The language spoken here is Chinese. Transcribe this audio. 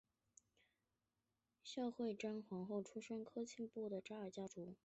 孝惠章皇后出身科尔沁部左翼扎萨克家族。